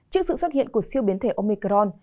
trước sự xuất hiện của siêu biến thể omicron